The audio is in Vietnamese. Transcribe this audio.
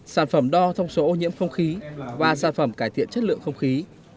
sản phẩm đo thông số ô nhiễm không khí và sản phẩm cải thiện chất lượng không khí